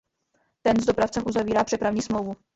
Ten s dopravcem uzavírá přepravní smlouvu.